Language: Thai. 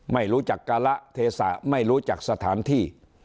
ไม่รู้จักการะเทศะไม่รู้จักสถานที่